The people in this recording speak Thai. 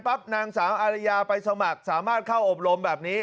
นางสาวอาริยาไปสมัครสามารถเข้าอบรมแบบนี้